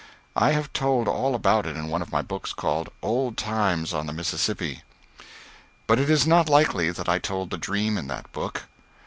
I have told all about it in one of my books called "Old Times on the Mississippi." But it is not likely that I told the dream in that book.